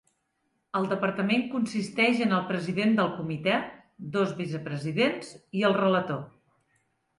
El departament consisteix en el president del comitè, dos vicepresidents i el relator.